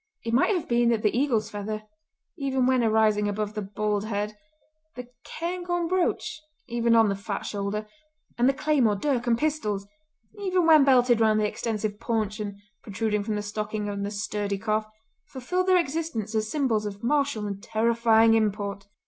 It might have been that the eagle's feather, even when arising above the bald head, the cairngorm brooch even on the fat shoulder, and the claymore, dirk and pistols, even when belted round the extensive paunch and protruding from the stocking on the sturdy calf, fulfilled their existence as symbols of martial and terrifying import!